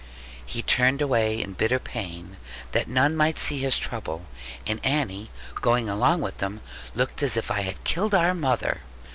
He turned away, in bitter pain, that none might see his trouble; and Annie, going along with him, looked as if I had killed our mother.